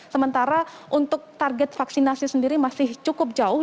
sementara untuk target vaksinasi sendiri masih cukup jauh